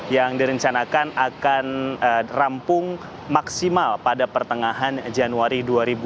yang direncanakan akan rampung maksimal pada pertengahan januari dua ribu dua puluh